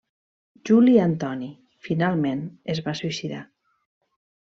Juli Antoni, finalment es va suïcidar.